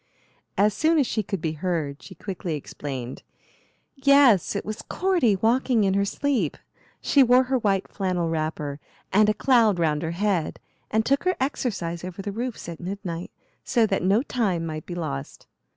As soon as she could be heard she quickly explained: "Yes, it was Cordy, walking in her sleep. She wore her white flannel wrapper, and a cloud round her head, and took her exercise over the roofs at midnight, so that no time might be lost.